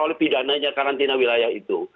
oleh pidananya karantina wilayah itu